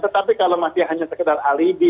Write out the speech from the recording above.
tetapi kalau masih hanya sekedar alibi